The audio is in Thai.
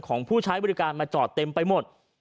ของผู้ใช้บริการมาจอดเต็มไปหมด